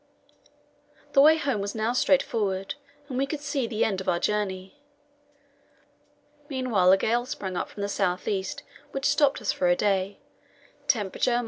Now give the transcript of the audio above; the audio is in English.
The way home was now straightforward, and we could see the end of our journey. Meanwhile a gale sprang up from the south east, which stopped us for a day; temperature, 29.